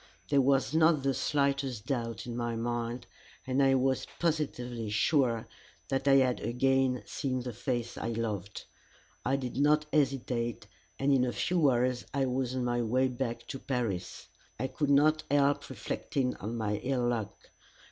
There was not the slightest doubt in my mind, and I was positively sure that I had again seen the face I loved. I did not hesitate, and in a few hours I was on my way back to Paris. I could not help reflecting on my ill luck.